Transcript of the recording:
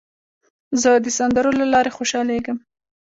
زه د سندرو له لارې خوشحالېږم.